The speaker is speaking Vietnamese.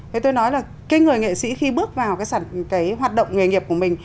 thế tôi nói là cái người nghệ sĩ khi bước vào cái hoạt động nghề nghiệp của mình